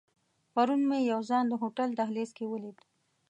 پرون مې یو ځوان د هوټل دهلیز کې ولید.